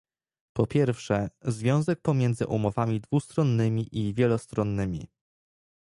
Po pierwsze, związek pomiędzy umowami dwustronnymi i wielostronnymi